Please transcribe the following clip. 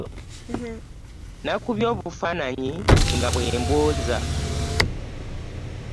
Nakubye obufaananyi nga bwe mbwoza.